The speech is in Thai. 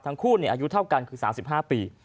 ทั้งคู่เนี่ยอายุเท่ากันคือสามสิบห้าปี